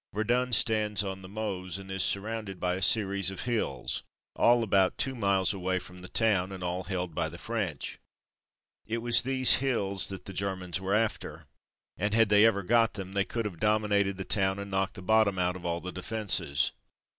Verdun stands on the Meuse, and is surrounded by a series of hills, all about two 13 194 From Mud to Mufti miles away from the town, and all held by the French. It was these hills that the Germans were after, and had they ever got them they could have dominated the town and knocked the bottom out of all the defences.